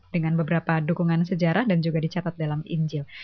dengan beberapa dukungan sejarah dan juga dicatat dalam injil